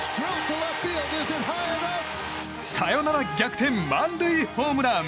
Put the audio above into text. サヨナラ逆転満塁ホームラン！